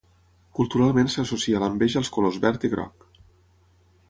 Culturalment s'associa l'enveja als colors verd i groc.